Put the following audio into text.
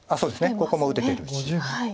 ここも打ててるし。